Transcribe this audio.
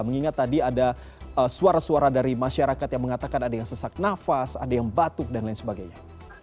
mengingat tadi ada suara suara dari masyarakat yang mengatakan ada yang sesak nafas ada yang batuk dan lain sebagainya